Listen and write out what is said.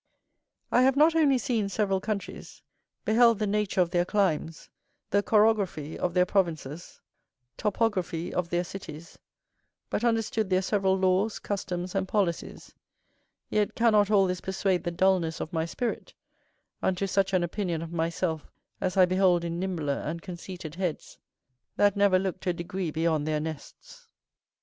I have not only seen several countries, beheld the nature of their climes, the chorography of their provinces, topography of their cities, but understood their several laws, customs, and policies; yet cannot all this persuade the dulness of my spirit unto such an opinion of myself as I behold in nimbler and conceited heads, that never looked a degree beyond their nests.